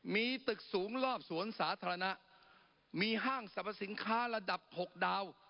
มีตึกสูงรอบสวนสาธารณะมีห้างสรรพสินค้าระดับ๖ดาว